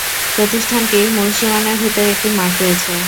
প্রতিষ্ঠানটির মূল সীমানার ভিতর একটি মাঠ রয়েছে।